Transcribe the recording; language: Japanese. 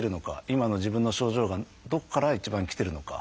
今の自分の症状がどこから一番きてるのか。